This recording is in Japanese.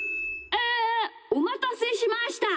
えおまたせしました。